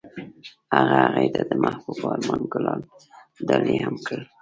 هغه هغې ته د محبوب آرمان ګلان ډالۍ هم کړل.